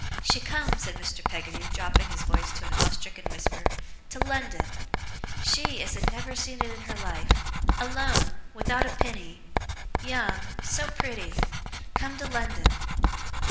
'She come,' said Mr. Peggotty, dropping his voice to an awe stricken whisper, 'to London. She as had never seen it in her life alone without a penny young so pretty come to London.